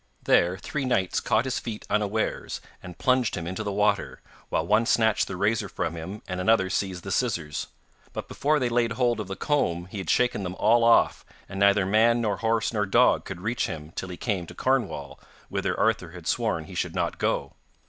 There three knights caught his feet unawares and plunged him into the water, while one snatched the razor from him, and another seized the scissors. But before they laid hold of the comb he had shaken them all off, and neither man nor horse nor dog could reach him till he came to Cornwall, whither Arthur had sworn he should not go.